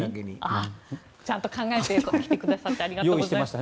ちゃんと考えてきてくださってありがとうございます。